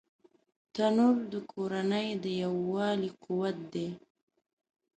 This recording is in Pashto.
تنور د کورنۍ د یووالي قوت دی